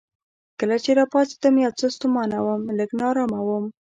کله چې راپاڅېدم یو څه ستومانه وم، لږ نا ارامه وم.